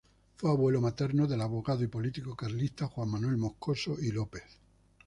Fue abuelo materno del abogado y político carlista Juan Manuel Moscoso y López.